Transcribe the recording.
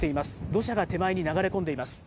土砂が手前に流れ込んでいます。